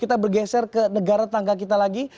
kita bergeser ke negara tangga kita lagi